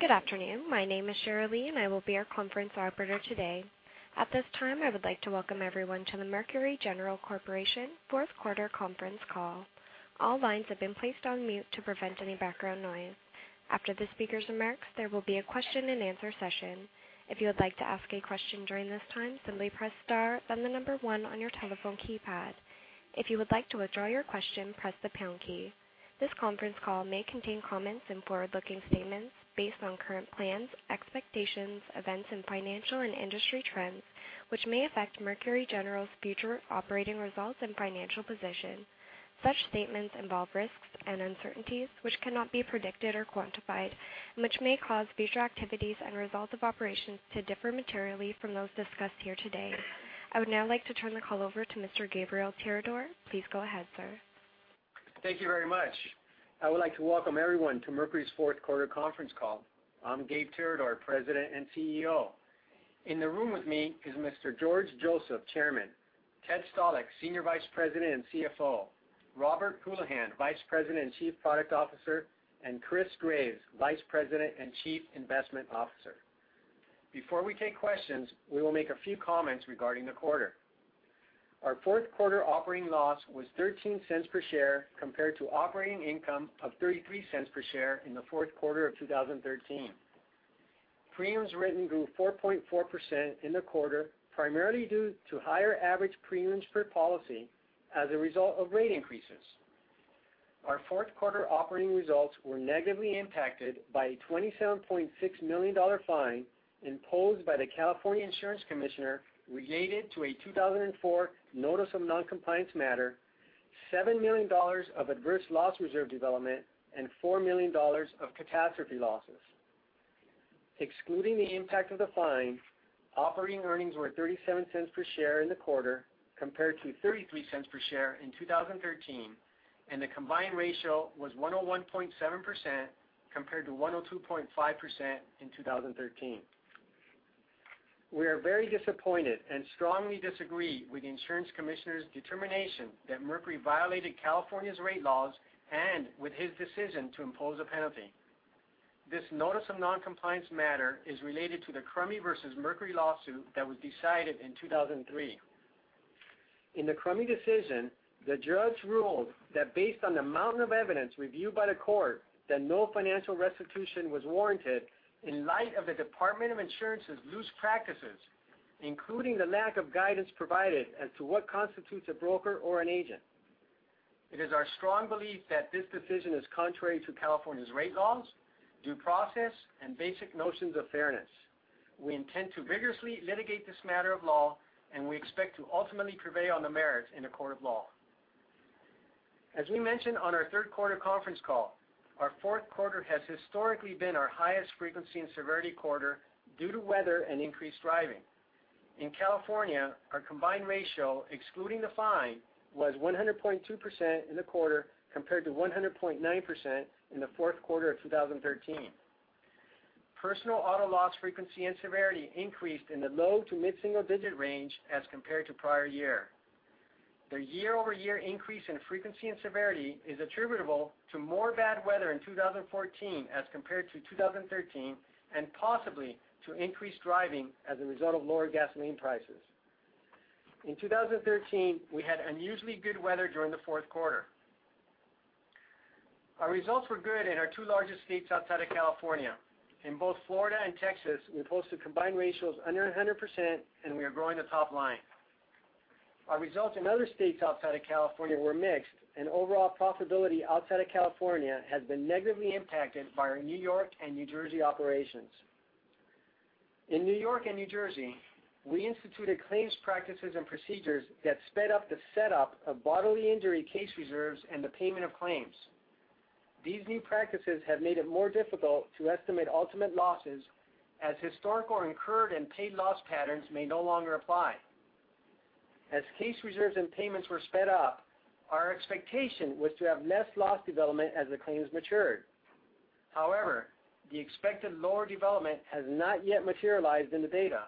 Good afternoon. My name is Cherylee, and I will be your conference operator today. At this time, I would like to welcome everyone to the Mercury General Corporation fourth quarter conference call. All lines have been placed on mute to prevent any background noise. After the speaker's remarks, there will be a question and answer session. If you would like to ask a question during this time, simply press star then the number one on your telephone keypad. If you would like to withdraw your question, press the pound key. This conference call may contain comments and forward-looking statements based on current plans, expectations, events, and financial and industry trends, which may affect Mercury General's future operating results and financial position. Such statements involve risks and uncertainties which cannot be predicted or quantified, and which may cause future activities and results of operations to differ materially from those discussed here today. I would now like to turn the call over to Mr. Gabriel Tirador. Please go ahead, sir. Thank you very much. I would like to welcome everyone to Mercury's fourth quarter conference call. I'm Gabe Tirador, President and CEO. In the room with me is Mr. George Joseph, Chairman, Ted Stalick, Senior Vice President and CFO, Robert Houlihan, Vice President and Chief Product Officer, and Chris Graves, Vice President and Chief Investment Officer. Before we take questions, we will make a few comments regarding the quarter. Our fourth quarter operating loss was $0.13 per share compared to operating income of $0.33 per share in the fourth quarter of 2013. Premiums written grew 4.4% in the quarter, primarily due to higher average premiums per policy as a result of rate increases. Our fourth quarter operating results were negatively impacted by a $27.6 million fine imposed by the California Insurance Commissioner related to a 2004 notice of noncompliance matter, $7 million of adverse loss reserve development, and $4 million of catastrophe losses. Excluding the impact of the fine, operating earnings were $0.37 per share in the quarter, compared to $0.33 per share in 2013, and the combined ratio was 101.7%, compared to 102.5% in 2013. We are very disappointed and strongly disagree with the insurance commissioner's determination that Mercury violated California's rate laws and with his decision to impose a penalty. This notice of noncompliance matter is related to the Krumme v. Mercury lawsuit that was decided in 2003. In the Krumme v. Mercury Insurance Co. decision, the judge ruled that based on the mountain of evidence reviewed by the court, that no financial restitution was warranted in light of the Department of Insurance's loose practices, including the lack of guidance provided as to what constitutes a broker or an agent. It is our strong belief that this decision is contrary to California's rate laws, due process, and basic notions of fairness. We intend to vigorously litigate this matter of law, and we expect to ultimately prevail on the merits in a court of law. As we mentioned on our third quarter conference call, our fourth quarter has historically been our highest frequency and severity quarter due to weather and increased driving. In California, our combined ratio, excluding the fine, was 100.2% in the quarter, compared to 100.9% in the fourth quarter of 2013. personal auto loss frequency and severity increased in the low to mid-single-digit range as compared to prior year. The year-over-year increase in frequency and severity is attributable to more bad weather in 2014 as compared to 2013, and possibly to increased driving as a result of lower gasoline prices. In 2013, we had unusually good weather during the fourth quarter. Our results were good in our two largest states outside of California. In both Florida and Texas, we posted combined ratios under 100%, and we are growing the top line. Our results in other states outside of California were mixed, and overall profitability outside of California has been negatively impacted by our New York and New Jersey operations. In New York and New Jersey, we instituted claims practices and procedures that sped up the setup of bodily injury case reserves and the payment of claims. These new practices have made it more difficult to estimate ultimate losses as historical incurred and paid loss patterns may no longer apply. As case reserves and payments were sped up, our expectation was to have less loss development as the claims matured. However, the expected lower development has not yet materialized in the data,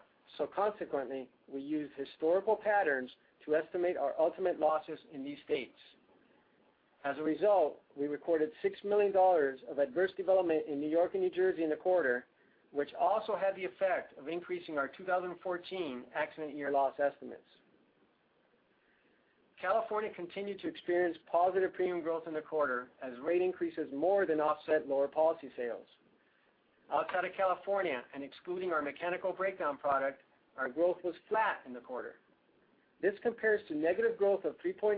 consequently, we used historical patterns to estimate our ultimate losses in these states. As a result, we recorded $6 million of adverse development in New York and New Jersey in the quarter, which also had the effect of increasing our 2014 accident year loss estimates. California continued to experience positive premium growth in the quarter as rate increases more than offset lower policy sales. Outside of California and excluding our Mechanical Breakdown Protection, our growth was flat in the quarter. This compares to negative growth of 3.9%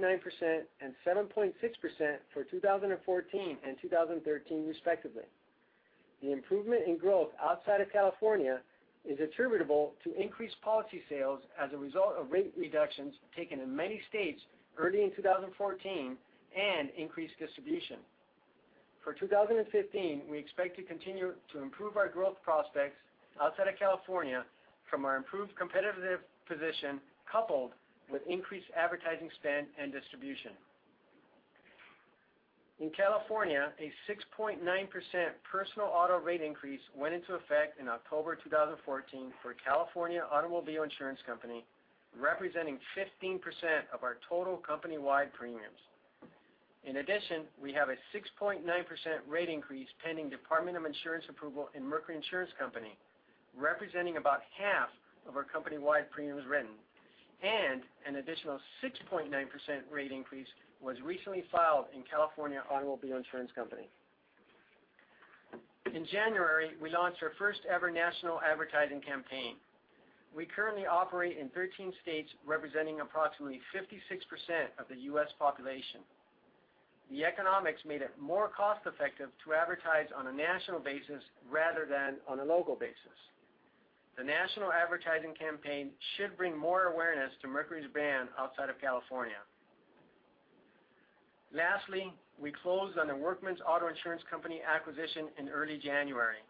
and 7.6% for 2014 and 2013 respectively. The improvement in growth outside of California is attributable to increased policy sales as a result of rate reductions taken in many states early in 2014 and increased distribution. For 2015, we expect to continue to improve our growth prospects outside of California from our improved competitive position, coupled with increased advertising spend and distribution. In California, a 6.9% personal auto rate increase went into effect in October 2014 for California Automobile Insurance Company, representing 15% of our total company-wide premiums. In addition, we have a 6.9% rate increase pending Department of Insurance approval in Mercury Insurance Company, representing about half of our company-wide premiums written, and an additional 6.9% rate increase was recently filed in California Automobile Insurance Company. In January, we launched our first-ever national advertising campaign. We currently operate in 13 states, representing approximately 56% of the U.S. population. The economics made it more cost-effective to advertise on a national basis rather than on a local basis. The national advertising campaign should bring more awareness to Mercury's brand outside of California. Lastly, we closed on the Workmen's Auto Insurance Company acquisition in early January.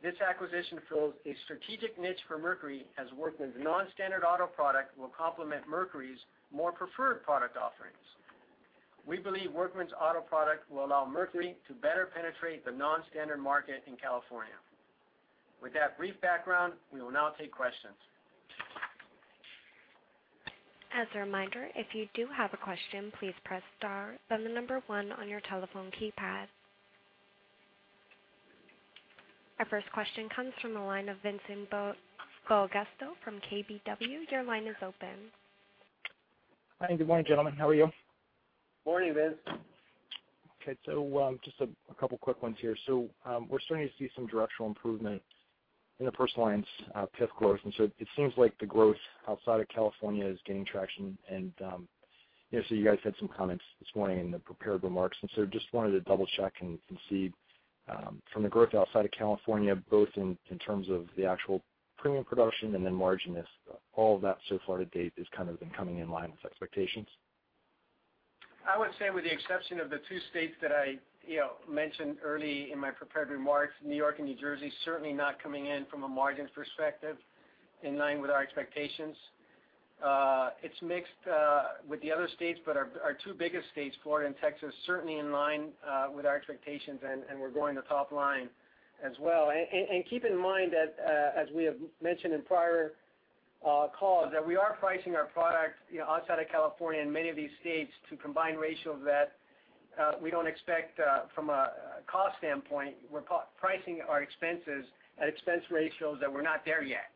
This acquisition fills a strategic niche for Mercury, as Workmen's non-standard auto product will complement Mercury's more preferred product offerings. We believe Workmen's Auto product will allow Mercury to better penetrate the non-standard market in California. With that brief background, we will now take questions. As a reminder, if you do have a question, please press star, then the number 1 on your telephone keypad. Our first question comes from the line of Vincent D'Agostino from KBW. Your line is open. Hi, good morning, gentlemen. How are you? Morning, Vincent. Okay, just a couple of quick ones here. We're starting to see some directional improvement in the personal lines, PIF growth. It seems like the growth outside of California is gaining traction. You guys had some comments this morning in the prepared remarks. Just wanted to double-check and see from the growth outside of California, both in terms of the actual premium production and then margin, all of that so far to date has kind of been coming in line with expectations? I would say with the exception of the two states that I mentioned early in my prepared remarks, New York and New Jersey, certainly not coming in from a margin perspective in line with our expectations. It's mixed with the other states, but our two biggest states, Florida and Texas, certainly in line with our expectations. We're going the top line as well. Keep in mind that, as we have mentioned in prior calls, that we are pricing our product outside of California and many of these states to combined ratios that we don't expect from a cost standpoint. We're pricing our expenses at expense ratios that we're not there yet.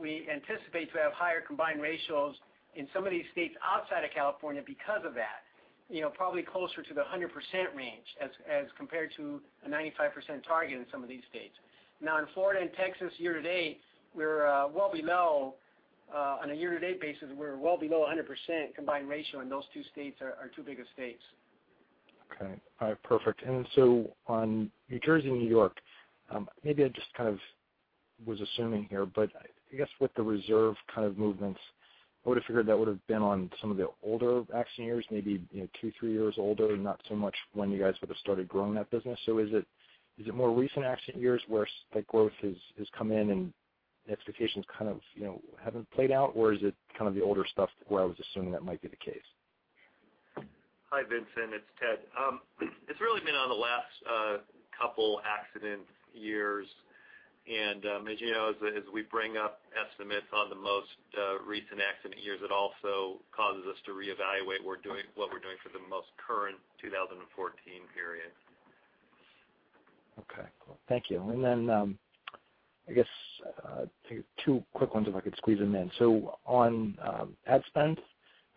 We anticipate to have higher combined ratios in some of these states outside of California because of that. Probably closer to the 100% range as compared to a 95% target in some of these states. In Florida and Texas year-to-date, on a year-to-date basis, we're well below 100% combined ratio. Those two states are our two biggest states. Okay. All right, perfect. On New Jersey and New York, maybe I just kind of was assuming here, but I guess with the reserve kind of movements, I would've figured that would've been on some of the older accident years, maybe 2, 3 years older, not so much when you guys would've started growing that business. Is it more recent accident years where that growth has come in and expectations kind of haven't played out, or is it kind of the older stuff where I was assuming that might be the case? Hi, Vincent. It's Ted. It's really been on the last couple accident years. As you know, as we bring up estimates on the most recent accident years, it also causes us to reevaluate what we're doing for the most current 2014 period. Okay. Thank you. Then I guess two quick ones if I could squeeze them in. On ad spend,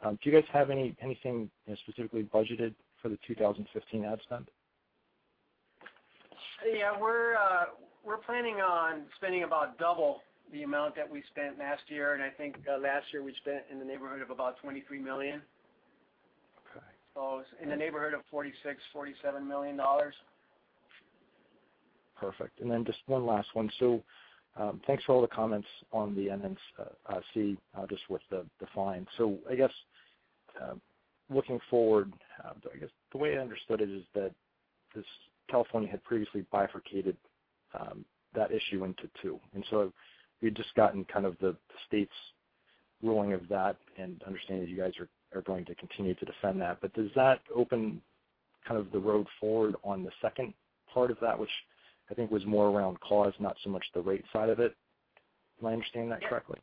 do you guys have anything specifically budgeted for the 2015 ad spend? Yeah. We're planning on spending about double the amount that we spent last year. I think last year we spent in the neighborhood of about $23 million. Okay. In the neighborhood of $46 million-$47 million. Perfect. Just one last one. Thanks for all the comments on the NC, just with the fine. Looking forward, I guess the way I understood it is that this California had previously bifurcated that issue into two. You'd just gotten kind of the state's ruling of that and understand that you guys are going to continue to defend that. Does that open kind of the road forward on the second part of that, which I think was more around cause, not so much the rate side of it? Am I understanding that correctly?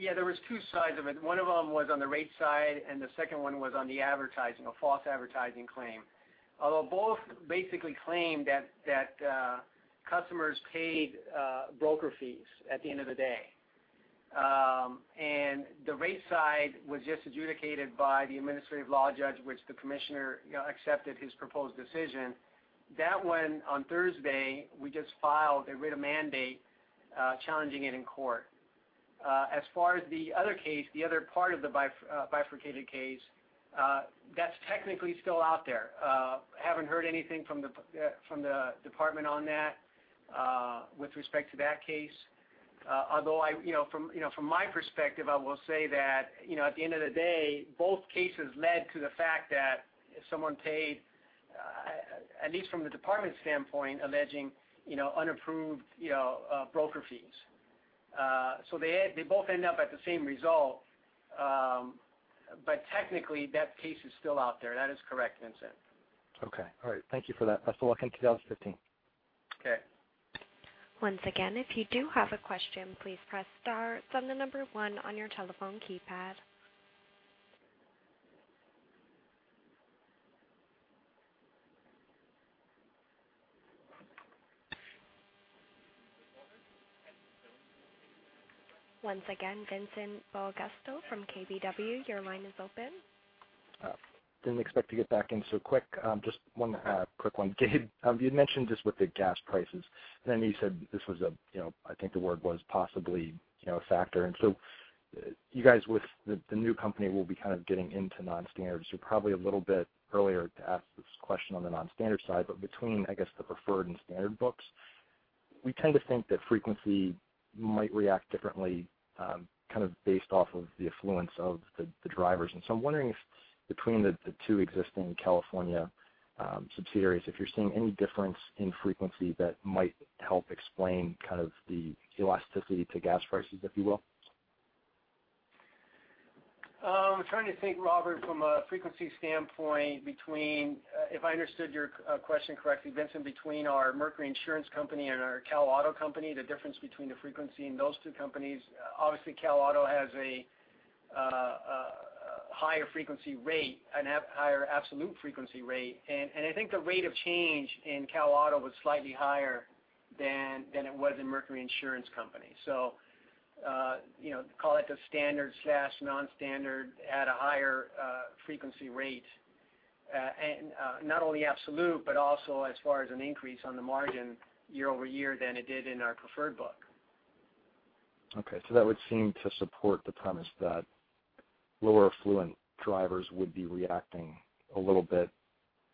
Yeah. There was two sides of it. One of them was on the rate side, and the second one was on the advertising, a false advertising claim. Both basically claimed that customers paid broker fees at the end of the day. The rate side was just adjudicated by the administrative law judge, which the Commissioner accepted his proposed decision. That one, on Thursday, we just filed a writ of mandate challenging it in court. As far as the other case, the other part of the bifurcated case, that's technically still out there. Haven't heard anything from the Department on that with respect to that case. From my perspective, I will say that at the end of the day, both cases led to the fact that someone paid, at least from the Department standpoint, alleging unapproved broker fees. They both end up at the same result, but technically, that case is still out there. That is correct, Vincent. Okay. All right. Thank you for that. Best of luck in 2015. Okay. Once again, if you do have a question, please press star, then the number 1 on your telephone keypad. Once again, Vincent D'Agostino from KBW, your line is open. Didn't expect to get back in so quick. Just one quick one. Gabe, you had mentioned just with the gas prices, then you said this was a, I think the word was possibly a factor. You guys with the new company will be kind of getting into non-standard. Probably a little bit earlier to ask this question on the non-standard side, between, I guess, the preferred and standard books, we tend to think that frequency might react differently based off of the affluence of the drivers. I'm wondering if between the two existing California subsidiaries, if you're seeing any difference in frequency that might help explain the elasticity to gas prices, if you will. I'm trying to think, Robert, from a frequency standpoint between, if I understood your question correctly, Vincent, between our Mercury Insurance Company and our Cal Auto Company, the difference between the frequency in those two companies. Obviously, Cal Auto has a higher frequency rate, a higher absolute frequency rate. I think the rate of change in Cal Auto was slightly higher than it was in Mercury Insurance Company. Call it the standard/non-standard at a higher frequency rate. Not only absolute, but also as far as an increase on the margin year-over-year than it did in our preferred book. Okay, that would seem to support the premise that lower affluent drivers would be reacting a little bit,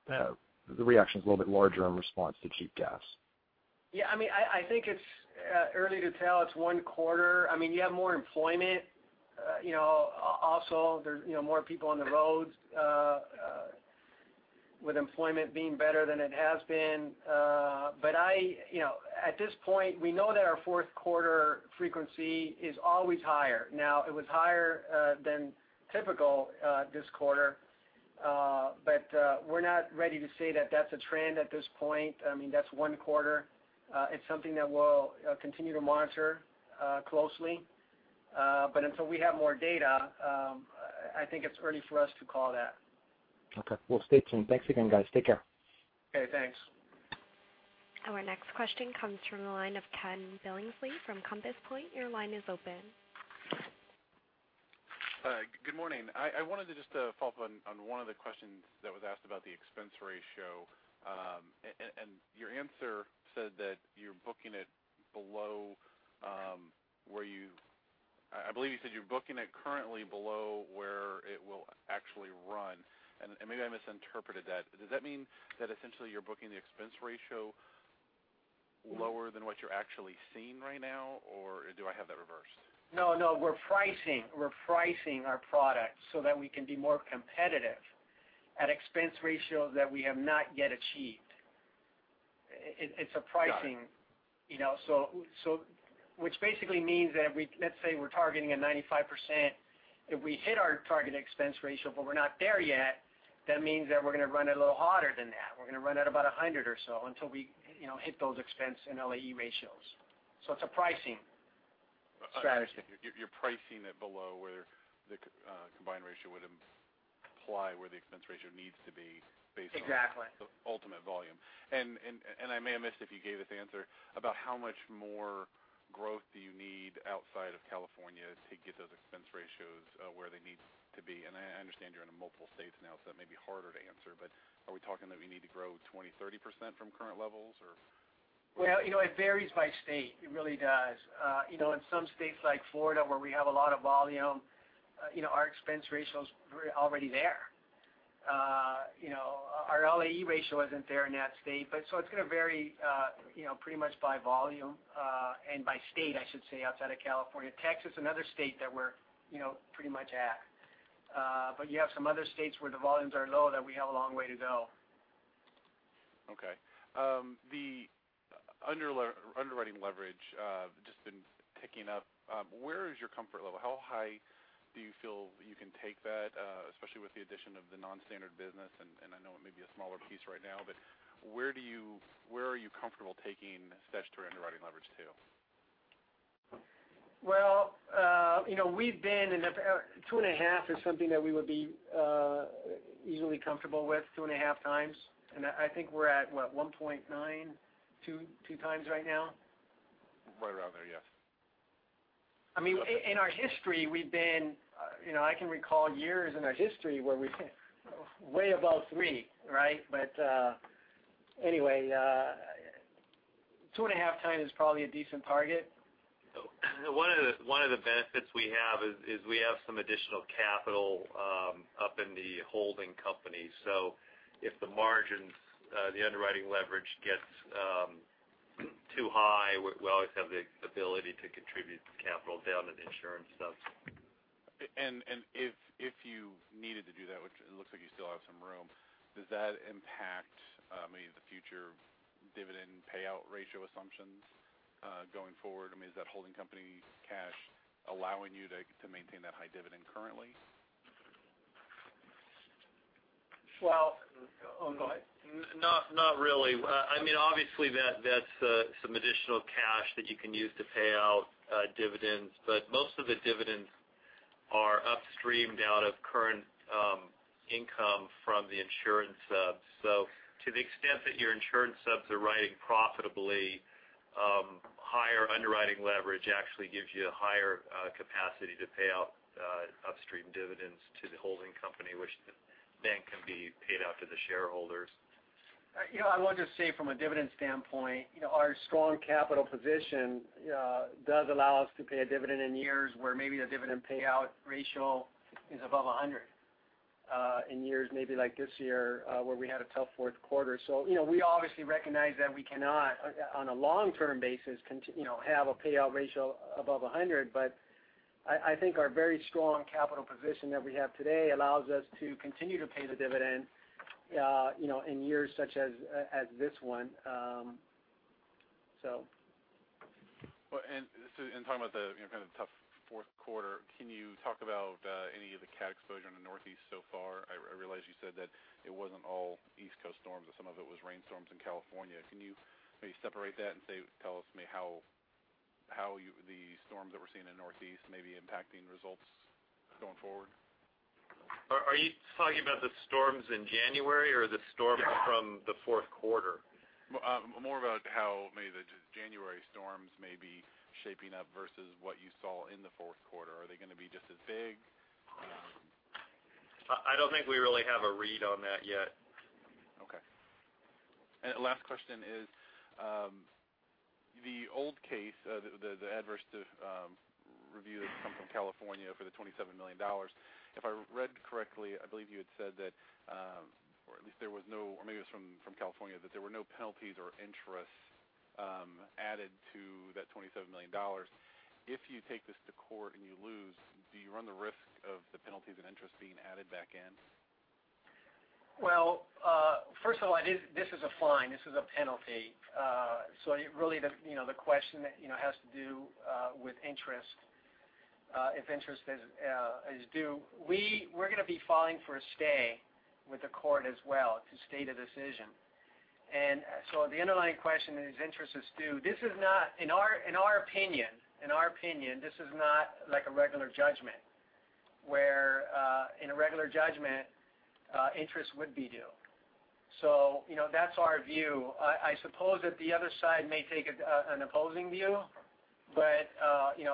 the reaction's a little bit larger in response to cheap gas. I think it's early to tell. It's one quarter. You have more employment. There's more people on the roads with employment being better than it has been. At this point, we know that our fourth quarter frequency is always higher. It was higher than typical this quarter. We're not ready to say that that's a trend at this point. That's one quarter. It's something that we'll continue to monitor closely. Until we have more data, I think it's early for us to call that. Okay. We'll stay tuned. Thanks again, guys. Take care. Okay, thanks. Our next question comes from the line of Ken Billingsley from Compass Point. Your line is open. Good morning. I wanted to just follow up on one of the questions that was asked about the expense ratio. Your answer said that you're booking it below where I believe you said you're booking it currently below where it will actually run, and maybe I misinterpreted that. Does that mean that essentially you're booking the expense ratio lower than what you're actually seeing right now? Or do I have that reversed? No, we're pricing our product so that we can be more competitive at expense ratios that we have not yet achieved. It's a pricing- Got it. Basically means that if we, let's say we're targeting a 95%, if we hit our target expense ratio, but we're not there yet, that means that we're going to run it a little hotter than that. We're going to run at about 100 or so until we hit those expense and LAE ratios. It's a pricing strategy. You're pricing it below where the combined ratio would imply where the expense ratio needs to be based on. Exactly The ultimate volume. I may have missed if you gave this answer, about how much more growth do you need outside of California to get those expense ratios where they need to be? I understand you're into multiple states now, so that may be harder to answer, but are we talking that we need to grow 20%-30% from current levels or? Well, it varies by state. It really does. In some states like Florida where we have a lot of volume, our expense ratio's already there. Our LAE ratio isn't there in that state, so it's going to vary pretty much by volume, and by state, I should say, outside of California. Texas, another state that we're pretty much at. You have some other states where the volumes are low that we have a long way to go. Okay. The underwriting leverage just been ticking up. Where is your comfort level? How high do you feel you can take that, especially with the addition of the non-standard business, and I know it may be a smaller piece right now, but where are you comfortable taking statutory underwriting leverage to? 2.5 is something that we would be easily comfortable with, 2.5 times. I think we're at what, 1.9, two times right now? Right around there, yes. In our history, I can recall years in our history where we've hit way above three, right? Anyway, 2.5 time is probably a decent target. One of the benefits we have is we have some additional capital up in the holding company. If the margins, the underwriting leverage gets too high, we always have the ability to contribute the capital down to the insurance subs. If you needed to do that, which it looks like you still have some room, does that impact maybe the future dividend payout ratio assumptions going forward? Is that holding company cash allowing you to maintain that high dividend currently? Well- Oh, go ahead. Not really. Obviously, that's some additional cash that you can use to pay out dividends, but most of the dividends are upstreamed out of current income from the insurance subs. To the extent that your insurance subs are writing profitably, higher underwriting leverage actually gives you a higher capacity to pay out upstream dividends to the holding company, which then can be paid out to the shareholders. I will just say from a dividend standpoint, our strong capital position does allow us to pay a dividend in years where maybe the dividend payout ratio is above 100, in years maybe like this year, where we had a tough fourth quarter. We obviously recognize that we cannot, on a long-term basis, have a payout ratio above 100. I think our very strong capital position that we have today allows us to continue to pay the dividend in years such as this one. Talking about the kind of tough fourth quarter, can you talk about any of the cat exposure in the Northeast so far? I realize you said that it wasn't all East Coast storms, that some of it was rainstorms in California. Can you maybe separate that and tell us maybe how the storms that we're seeing in the Northeast may be impacting results going forward? Are you talking about the storms in January or the storms from the fourth quarter? More about how maybe the January storms may be shaping up versus what you saw in the fourth quarter. Are they going to be just as big? I don't think we really have a read on that yet. Okay. Last question is, the old case, the adverse review that's come from California for the $27 million. If I read correctly, I believe you had said that, or at least there was no, or maybe it was from California, that there were no penalties or interest added to that $27 million. If you take this to court and you lose, do you run the risk of the penalties and interest being added back in? Well, first of all, this is a fine. This is a penalty. Really the question has to do with interest, if interest is due. We're going to be filing for a stay with the court as well to stay the decision. The underlying question is, interest is due. In our opinion, this is not like a regular judgment where, in a regular judgment, interest would be due. That's our view. I suppose that the other side may take an opposing view, but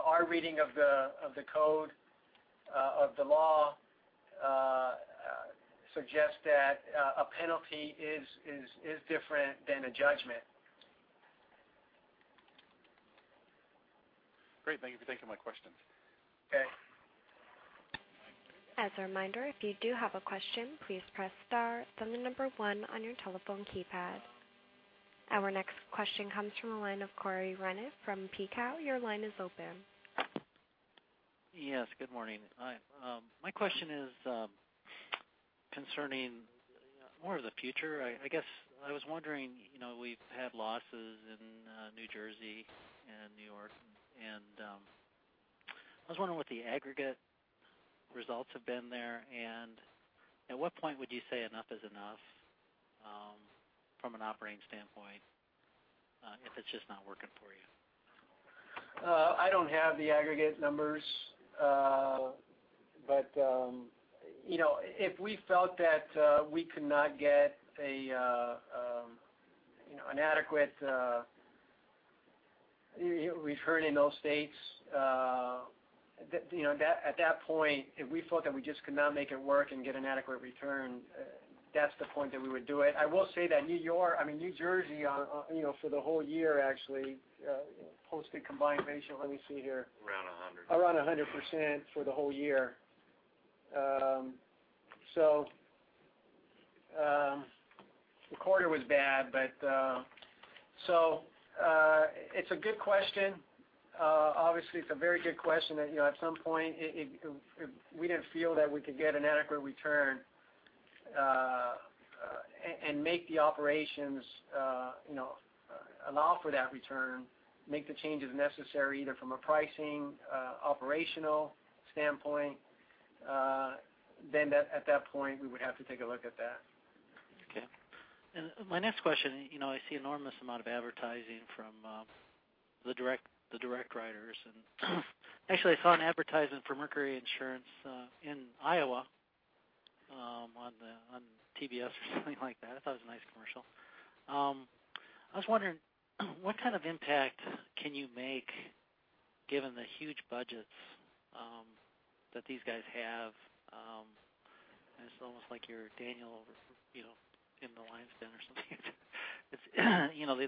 our reading of the code of the law suggests that a penalty is different than a judgment. Great. Thank you for taking my questions. Okay. As a reminder, if you do have a question, please press star then the number one on your telephone keypad. Our next question comes from the line of Arash Goshayeshi from KBW. Your line is open. Yes, good morning. Hi. My question is concerning more of the future, I guess. I was wondering, we've had losses in New Jersey and New York, and I was wondering what the aggregate results have been there, and at what point would you say enough is enough from an operating standpoint, if it's just not working for you? I don't have the aggregate numbers. If we felt that we could not get an adequate return in those states, at that point, if we felt that we just could not make it work and get an adequate return, that's the point that we would do it. I will say that New Jersey, for the whole year actually, posted combined ratio, let me see here. Around 100. Around 100% for the whole year. The quarter was bad. It's a good question. Obviously, it's a very good question. At some point, if we didn't feel that we could get an adequate return, and make the operations allow for that return, make the changes necessary, either from a pricing, operational standpoint, then at that point, we would have to take a look at that. Okay. My next question, I see enormous amount of advertising from the direct writers. Actually, I saw an advertisement for Mercury Insurance in Iowa on TBS or something like that. I thought it was a nice commercial. I was wondering what kind of impact can you make given the huge budgets that these guys have? It's almost like you're Daniel in the Lion's Den or something.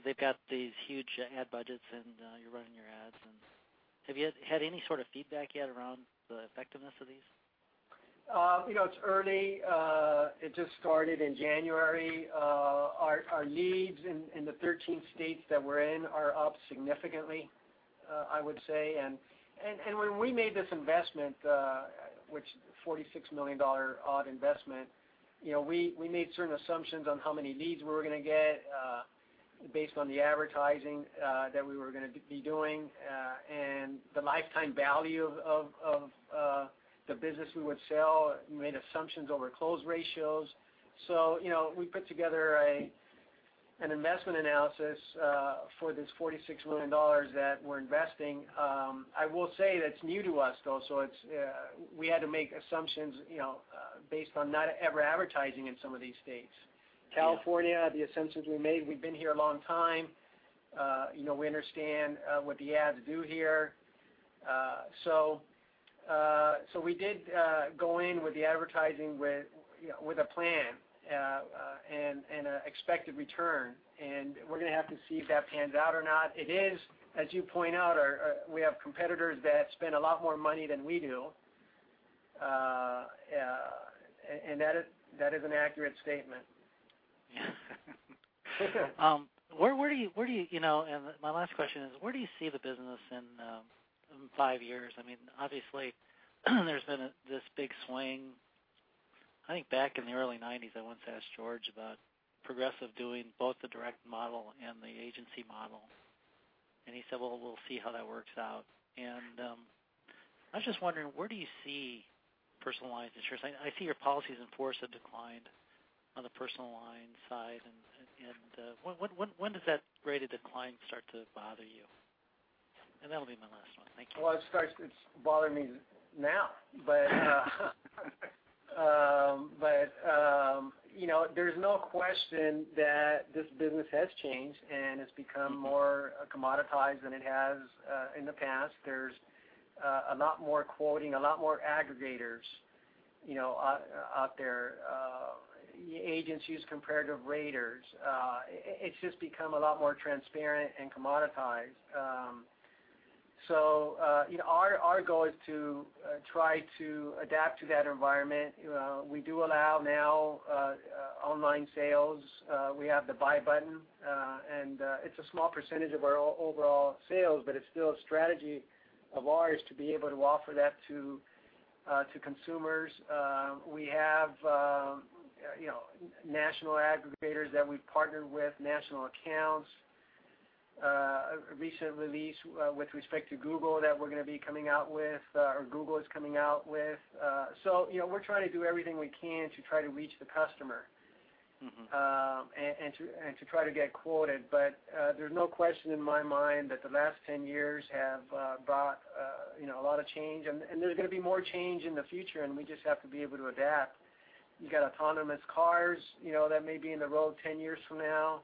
They've got these huge ad budgets, and you're running your ads. Have you had any sort of feedback yet around the effectiveness of these? It's early. It just started in January. Our leads in the 13 states that we're in are up significantly, I would say. When we made this investment, which is a $46 million-odd investment, we made certain assumptions on how many leads we were going to get based on the advertising that we were going to be doing, and the lifetime value of the business we would sell. We made assumptions over close ratios. We put together an investment analysis for this $46 million that we're investing. I will say that's new to us though, so we had to make assumptions based on not ever advertising in some of these states. California, the assumptions we made, we've been here a long time. We understand what the ads do here. We did go in with the advertising with a plan, and an expected return. We're going to have to see if that pans out or not. It is, as you point out, we have competitors that spend a lot more money than we do. That is an accurate statement. Yeah. My last question is, where do you see the business in five years? Obviously, there's been this big swing. I think back in the early '90s, I once asked George about Progressive doing both the direct model and the agency model, and he said, "Well, we'll see how that works out." I was just wondering, where do you see personalized insurance? I see your policies in force have declined on the personal line side, and when does that rate of decline start to bother you? That'll be my last one. Thank you. It's bothering me now. There's no question that this business has changed, and it's become more commoditized than it has in the past. There's a lot more quoting, a lot more aggregators out there. Agents use comparative raters. It's just become a lot more transparent and commoditized. Our goal is to try to adapt to that environment. We do allow now online sales. We have the buy button. It's a small percentage of our overall sales, but it's still a strategy of ours to be able to offer that to consumers. We have national aggregators that we've partnered with, national accounts. A recent release with respect to Google that we're going to be coming out with, or Google is coming out with. We're trying to do everything we can to try to reach the customer. To try to get quoted. There's no question in my mind that the last 10 years have brought a lot of change. There's going to be more change in the future, and we just have to be able to adapt. You got autonomous cars that may be in the road 10 years from now.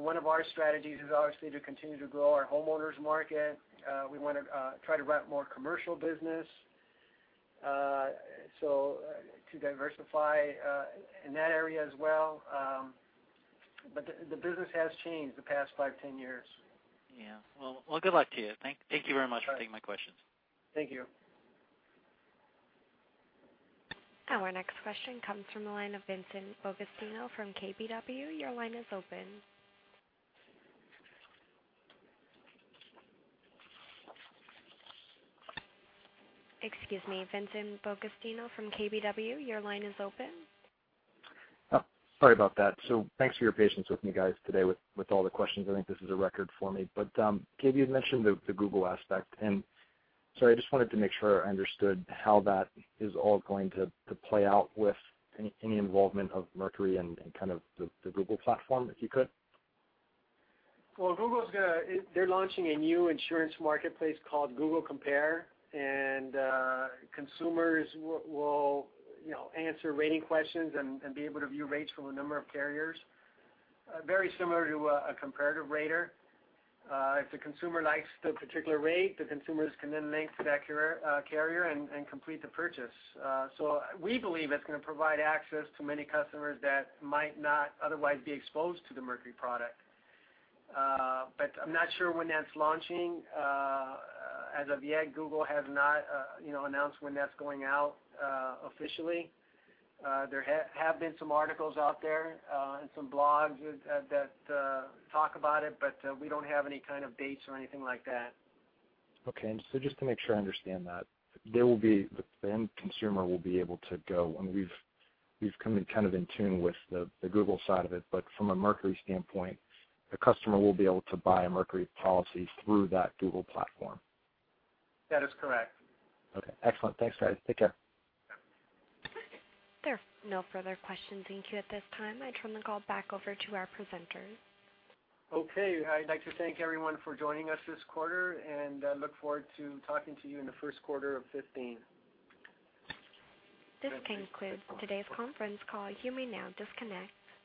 One of our strategies is obviously to continue to grow our homeowners market. We want to try to ramp more commercial business. To diversify in that area as well. The business has changed the past five, 10 years. Yeah. Well, good luck to you. Thank you very much for taking my questions. Thank you. Our next question comes from the line of Vincent D'Agostino from KBW. Your line is open. Excuse me, Vincent D'Agostino from KBW, your line is open. Oh, sorry about that. Thanks for your patience with me guys today with all the questions. I think this is a record for me. Gabe, you had mentioned the Google aspect, I just wanted to make sure I understood how that is all going to play out with any involvement of Mercury and kind of the Google platform, if you could? Well, Google's launching a new insurance marketplace called Google Compare, and consumers will answer rating questions and be able to view rates from a number of carriers. Very similar to a comparative rater. If the consumer likes the particular rate, the consumers can then link to that carrier and complete the purchase. We believe it's going to provide access to many customers that might not otherwise be exposed to the Mercury product. I'm not sure when that's launching. As of yet, Google has not announced when that's going out officially. There have been some articles out there, and some blogs that talk about it, but we don't have any kind of dates or anything like that. Okay. Just to make sure I understand that. The end consumer will be able to go, and we've come kind of in tune with the Google side of it, but from a Mercury standpoint, the customer will be able to buy a Mercury policy through that Google platform? That is correct. Okay. Excellent. Thanks, guys. Take care. There are no further questions in queue at this time. I turn the call back over to our presenters. Okay. I'd like to thank everyone for joining us this quarter. I look forward to talking to you in the first quarter of 2015. This concludes today's conference call. You may now disconnect.